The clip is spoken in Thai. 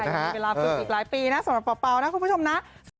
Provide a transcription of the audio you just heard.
มีเวลาฝึกอีกหลายปีนะสำหรับเป่านะคุณผู้ชมนะ